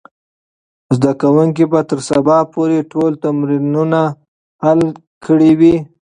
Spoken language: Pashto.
زده کوونکي به تر سبا پورې ټول تمرینونه حل کړي وي.